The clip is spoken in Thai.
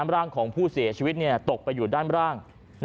ร่างของผู้เสียชีวิตตกไปอยู่ด้านล่าง